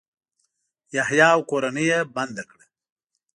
یحیی او کورنۍ یې بنده کړه.